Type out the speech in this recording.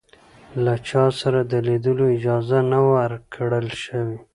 له چا سره د لیدلو اجازه نه وه ورکړل شوې.